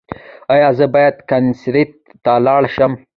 ایا زه باید کنسرت ته لاړ شم؟